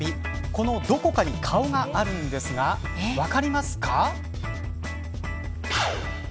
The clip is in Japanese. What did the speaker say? このどこかに顔があるんですが分かりますか。